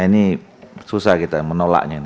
ini susah kita menolaknya ini